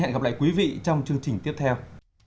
hẹn gặp lại quý vị trong chương trình tiếp theo